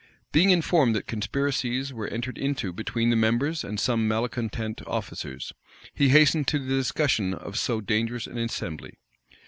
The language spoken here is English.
Being informed that conspiracies were entered into between the members and some malecontent officers, he hastened to the dissolution of so dangerous an assembly.